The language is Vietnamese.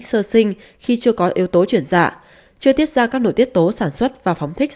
sơ sinh khi chưa có yếu tố chuyển dạ chưa tiết ra các nội tiết tố sản xuất và phóng thích